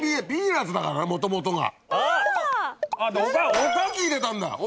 おかき入れたんだおかき！